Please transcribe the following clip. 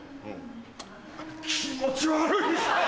気持ち悪い！